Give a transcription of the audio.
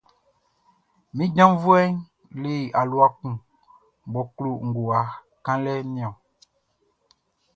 Min janvuɛʼn le alua kun mʼɔ klo ngowa kanlɛʼn niɔn.